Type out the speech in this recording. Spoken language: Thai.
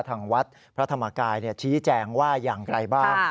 ทางวัดพระธรรมกายชี้แจงว่าอย่างไรบ้าง